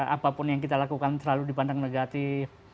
apapun yang kita lakukan terlalu dipandang negatif